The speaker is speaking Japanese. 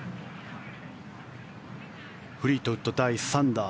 フリートウッド、第３打。